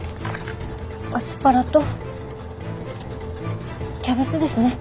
アスパラとキャベツですね。